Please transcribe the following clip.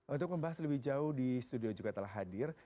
untuk membahas lebih jauh di studio juga telah hadir